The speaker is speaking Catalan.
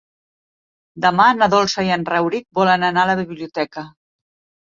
Demà na Dolça i en Rauric volen anar a la biblioteca.